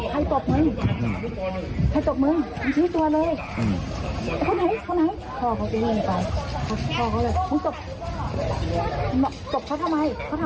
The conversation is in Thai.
ใครตบมึงใครตบมึงพี่ตัวเลยอืมคนไหนคนไหนพ่อเขาตรงนี้มั้ยป่าว